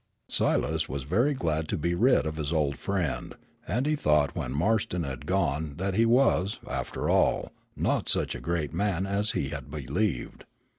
Silas was very glad to be rid of his old friend, and he thought when Marston had gone that he was, after all, not such a great man as he had believed.